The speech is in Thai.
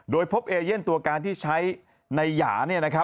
โดยพบเอเย่นตัวการที่ใช้ในหยา